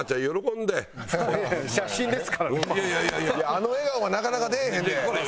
あの笑顔はなかなか出えへんで。